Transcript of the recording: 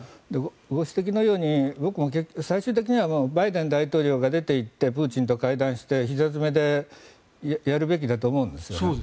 ご指摘のように最終的にはバイデン大統領が出ていってプーチンと会談してひざ詰めでやるべきだと思うんです。